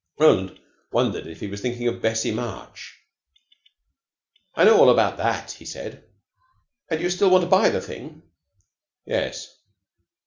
Roland wondered if he was thinking of Bessie March. "I know all about that," he said. "And you still want to buy the thing?" "Yes."